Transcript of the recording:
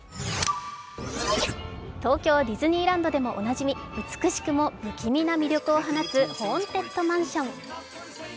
東京ディズニーランドでもおなじみ、美しくも不気味な魅力を放つホーンテッドマンション。